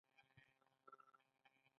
که خاوره القلي وي څه وکړم؟